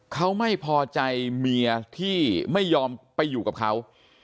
เขาไม่พอใจเมียที่ไม่ยอมไปอยู่กับเขา